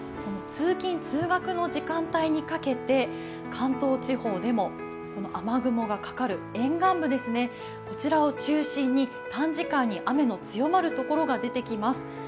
通勤通学の時間帯にかけて関東地方でも雨雲がかかる沿岸部を中心に短時間に雨の強まるところが出てきます。